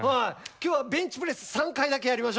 今日はベンチプレス３回だけやりましょう。